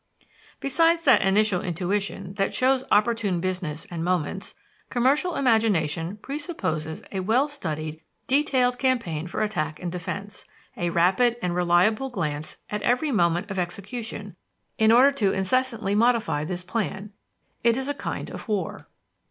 Besides that initial intuition that shows opportune business and moments, commercial imagination presupposes a well studied, detailed campaign for attack and defense, a rapid and reliable glance at every moment of execution in order to incessantly modify this plan it is a kind of war.